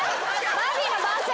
『バービー』の番宣？